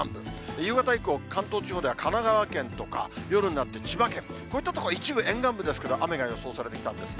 夕方以降、関東地方では、神奈川県とか、夜になって千葉県、こういった所では、一部沿岸部ですけど、雨が予想されていたんですね。